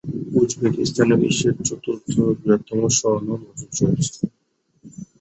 উজবেকিস্তানে বিশ্বের চতুর্থ বৃহত্তম স্বর্ণ মজুদ রয়েছে।